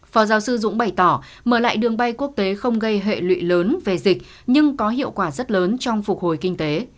phó giáo sư dũng bày tỏ mở lại đường bay quốc tế không gây hệ lụy lớn về dịch nhưng có hiệu quả rất lớn trong phục hồi kinh tế